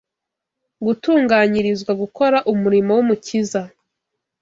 gutunganyirizwa gukora umurimo w’Umukiza